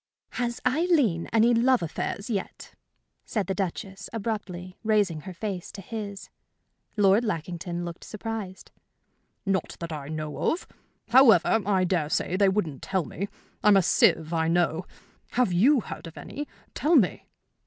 "Has Aileen any love affairs yet?" said the Duchess, abruptly, raising her face to his. Lord Lackington looked surprised. "Not that I know of. However, I dare say they wouldn't tell me. I'm a sieve, I know. Have you heard of any? Tell me."